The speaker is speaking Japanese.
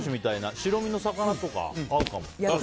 白身の魚とかに合うかも。